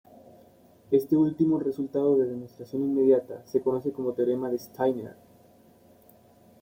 Este último resultado de demostración inmediata se conoce como teorema de Steiner.